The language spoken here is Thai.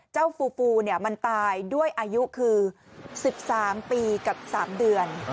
เจ้าฟูฟูเนี่ยมันตายด้วยอายุคือ๑๓ปีกับ๓เดือน